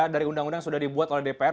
dari undang undang yang sudah dibuat oleh dpr